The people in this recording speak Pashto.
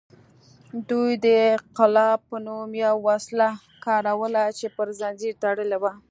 دوی د قلاب په نوم یوه وسله کاروله چې پر زنځیر تړلې وه